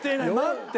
待って！